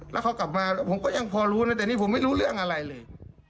แล้วเขากลับมาผมก็ยังพอรู้นะแต่นี่ผมไม่รู้เรื่องอะไรเลย